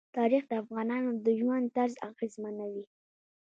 تاریخ د افغانانو د ژوند طرز اغېزمنوي.